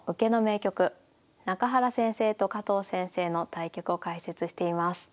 中原先生と加藤先生の対局を解説しています。